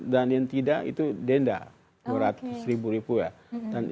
dan yang tidak itu denda dua ratus ribu ribu ya